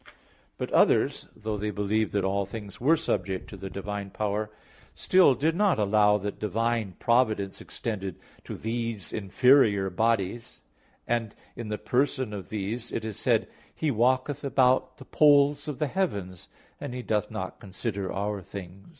But others, though they believed that all things were subject to the divine power, still did not allow that divine providence extended to these inferior bodies, and in the person of these it is said, "He walketh about the poles of the heavens; and He doth not consider our things [*Vulg.